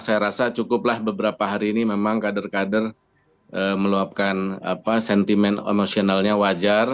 saya rasa cukuplah beberapa hari ini memang kader kader meluapkan sentimen emosionalnya wajar